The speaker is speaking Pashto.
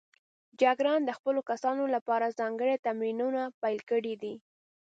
جګړن د خپلو کسانو لپاره ځانګړي تمرینونه پلان کړي دي.